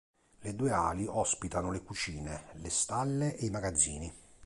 Le due ali ospitano le cucine, le stalle e i magazzini.